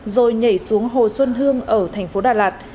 rồi nhảy xuống hồ xuân hương ở thành phố đà lạt